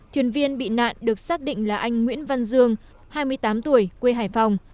thuyền viên bị nạn được xác định là anh nguyễn văn dương hai mươi tám tuổi quê hải phòng